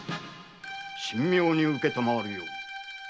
神妙に承るように。